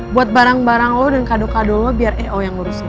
buat barang barang lo dan kado kado lo biar eo yang ngurusin